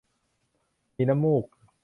มีน้ำมูก